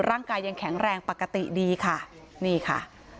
ร่างกายยังแข็งแรงปกติดีค่ะนี่ค่ะ